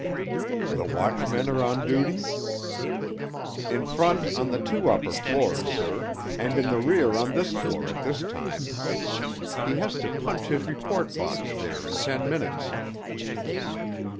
"The watchmen are on duty?" "In front on the two upper floors, sir, and in the rear on this floor at this time. He has to punch his report box there in ten minutes."